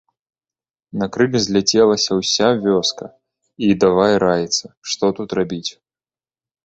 На крык зляцелася ўся вёска і давай раіцца, што тут рабіць.